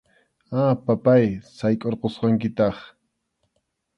A, papáy, saykʼurqusqankitaq.